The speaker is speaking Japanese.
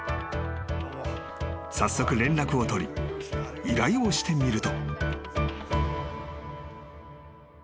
［早速連絡を取り依頼をしてみると］